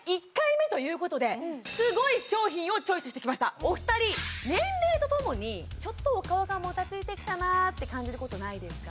今回はお二人年齢とともにちょっとお顔がもたついてきたなって感じることないですか？